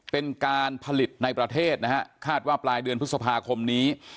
เป็นการผลิตในประเทศนะฮะคาดว่าปลายเดือนพฤษภาคมนี้